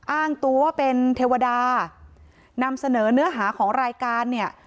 อ้างตัวว่าเป็นเทวดานำเสนอเนื้อหาของรายการเนี่ย